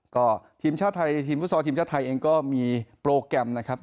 ก็ทีมชาติไทยทีมฟุตซอลทีมชาติไทยเองก็มีโปรแกรมนะครับ